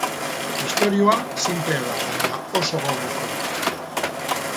Istorioa sinplea da baina oso gogoko dut.